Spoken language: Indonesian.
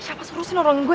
siapa suruh sini orang gue